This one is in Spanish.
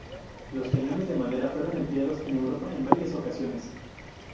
Los cañones de madera fueron empleados en Europa en varias ocasiones.